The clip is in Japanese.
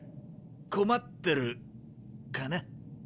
困ってるかな？